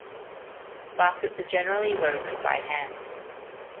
Baskets are generally woven by hand.